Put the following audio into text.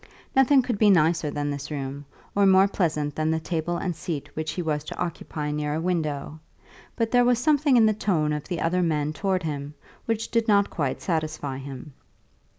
Nothing could be nicer than this room, or more pleasant than the table and seat which he was to occupy near a window; but there was something in the tone of the other men towards him which did not quite satisfy him.